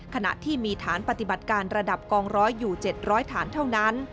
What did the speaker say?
ขณะที่มีฐานปฏิบัติการระดับกองร้อยอยู่๗๐๐ฐานเท่านั้น